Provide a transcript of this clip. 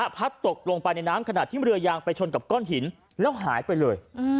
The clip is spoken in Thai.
พัดตกลงไปในน้ำขณะที่เรือยางไปชนกับก้อนหินแล้วหายไปเลย